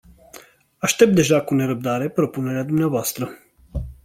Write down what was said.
Aștept deja cu nerăbdare propunerea dumneavoastră.